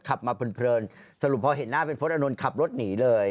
ขับมาเพลินสรุปพอเห็นหน้าเป็นพลตอานนท์ขับรถหนีเลย